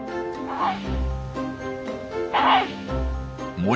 はい。